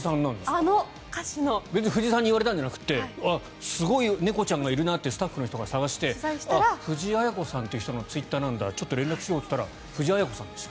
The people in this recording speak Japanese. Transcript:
別に藤さんに言われたんじゃなくてすごい猫ちゃんがいるなってスタッフさんが探してあ、藤あや子さんという人のツイッターなんだ連絡しようと思ったら本人でした。